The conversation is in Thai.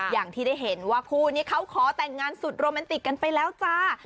อย่างที่ได้เห็นว่าคู่นี้เขาขอแต่งงานสุดโรแมนติกกันไปแล้วจ้า